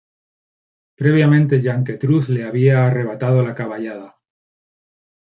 Previamente Yanquetruz le había arrebatado la caballada.